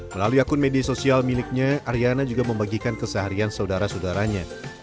melalui akun media sosial miliknya ariana juga membagikan keseharian saudara saudaranya